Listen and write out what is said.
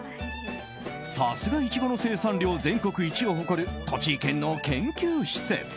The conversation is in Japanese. さすがイチゴの生産量全国一を誇る栃木県の研究施設。